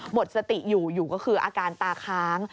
หมดสติอยู่อยู่ก็คืออาการตาค้าง